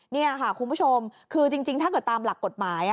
นี่ค่ะคุณผู้ชมคือจริงถ้าเกิดตามหลักกฎหมาย